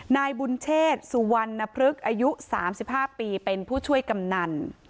นายบุญเชษสุวรรณพฤกษ์อายุ๓๕ปีเป็นผู้ช่วยกำนัน